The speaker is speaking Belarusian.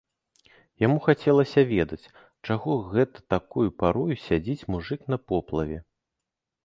Яму хацелася ведаць, чаго гэта такою парою сядзіць мужык на поплаве.